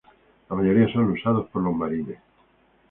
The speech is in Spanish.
La mayoría son usados por los Marines.